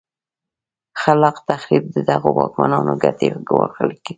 خلا ق تخریب د دغو واکمنانو ګټې ګواښلې.